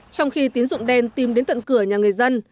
trong khi tín dụng đen tìm đến tận cửa nhà người dân